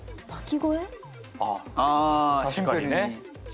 ああ確かにね。